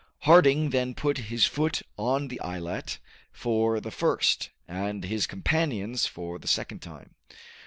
Harding then put his foot on the islet for the first, and his companions for the second time.